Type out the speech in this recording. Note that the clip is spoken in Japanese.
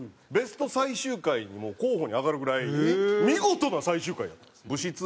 ベスト最終回にもう候補に挙がるぐらい見事な最終回やったんです。